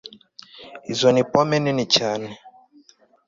izo ni pome nini cyane